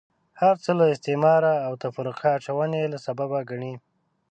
هرڅه له استعماره او تفرقه اچونې له سببه ګڼي.